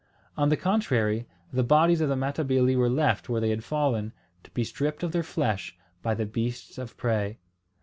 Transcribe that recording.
On the contrary, the bodies of the Matabili were left where they had fallen, to be stripped of their flesh by the beasts of prey.